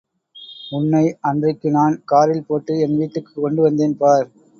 உன்னை அன்றைக்கு நான் காரில் போட்டு என் வீட்டுக்குக் கொண்டு வந்தேன் பார்.